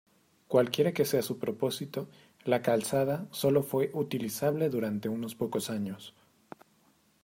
Cualquiera que sea su propósito, la calzada sólo fue utilizable durante unos pocos años.